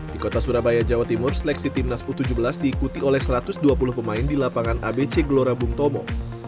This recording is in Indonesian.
di kota surabaya jawa timur seleksi timnas u tujuh belas diikuti oleh satu ratus dua puluh pemain di lapangan abc gelora bung tomo